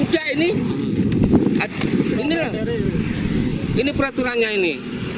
udah ini ini peraturannya ini